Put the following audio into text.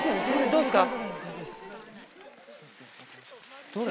どうっすか？